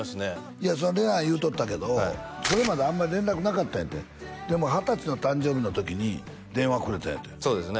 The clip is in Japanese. いやレナン言うとったけどそれまであんまり連絡なかったんやてでも二十歳の誕生日の時に電話くれたんやてそうですね